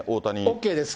ＯＫです。